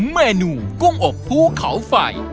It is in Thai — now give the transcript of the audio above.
เมนูกุ้งอบภูเขาไฟ